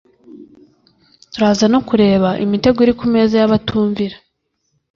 turaza no kureba imitego iri kumeza yabatumvira